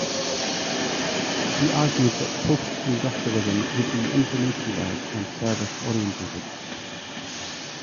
He argued that post-industrialism would be information-led and service-oriented.